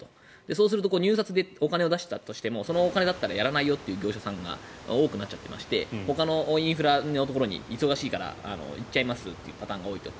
そうすると入札でお金を出したとしてもそのお金だったらやらないよという業者さんが多くなってましてほかのインフラのところに忙しいから行っちゃいますというパターンが多いと。